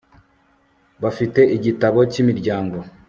Bafite igitabo cyimiryango